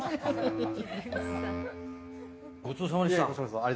ごちそうさまでした。